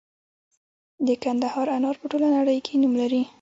د کندهار انار په ټوله نړۍ کې نوم لري.